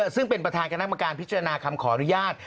ซึ่งเป็นประธานคณะกรรมการพิจารณาคำขออนุญาต